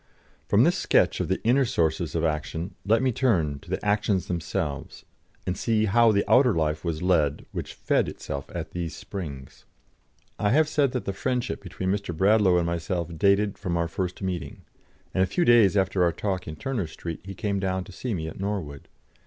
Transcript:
From this sketch of the inner sources of action let me turn to the actions themselves, and see how the outer life was led which fed itself at these springs. I have said that the friendship between Mr. Bradlaugh and myself dated from our first meeting, and a few days after our talk in Turner Street he came down to see me at Norwood.